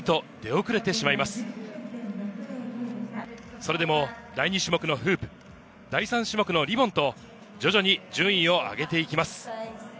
それでも第２種目のフープ、第３種目のリボンと徐々に順位を上げていきます。